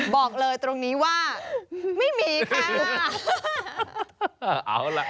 บอกเลยตรงนี้ว่าไม่มีค่ะ